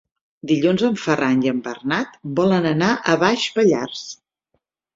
Dilluns en Ferran i en Bernat volen anar a Baix Pallars.